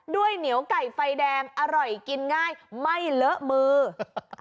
เหนียวไก่ไฟแดงอร่อยกินง่ายไม่เลอะมือ